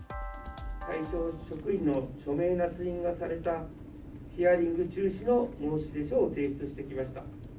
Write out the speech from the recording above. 対象職員の署名なつ印がされたヒアリング中止の申出書を提出してきました。